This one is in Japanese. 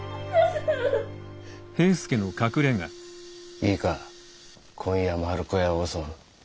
いいか今夜丸子屋を襲う。